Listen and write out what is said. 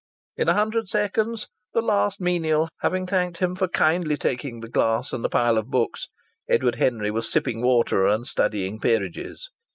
In a hundred seconds, the last menial having thanked him for kindly taking the glass and the pile of books, Edward Henry was sipping water and studying peerages.